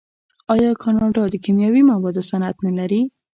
آیا کاناډا د کیمیاوي موادو صنعت نلري؟